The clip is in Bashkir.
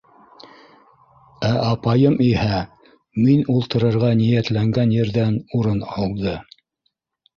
Ә апайым иһә мин ултырырға ниәтләгән ерҙән урын алды.